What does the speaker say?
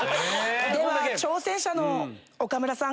では挑戦者の岡村さん